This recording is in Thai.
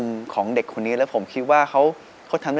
เพราะว่าเพราะว่าเพราะว่าเพราะ